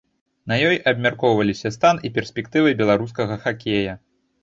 На ёй абмяркоўваліся стан і перспектывы беларускага хакея.